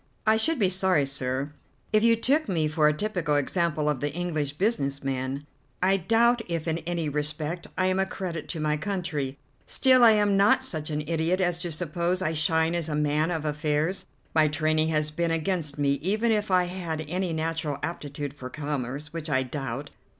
"I should be sorry, sir, if you took me for a typical example of the English business man. I doubt if in any respect I am a credit to my country, still I am not such an idiot as to suppose I shine as a man of affairs. My training has been against me, even if I had any natural aptitude for commerce, which I doubt.